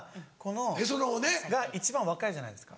へその緒ね。が一番若いじゃないですか。